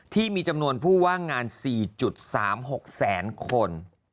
ที่มีจำนวนผู้ว่างงาน๔๓๖แสนคน